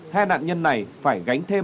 hai nạn nhân này phải gánh thêm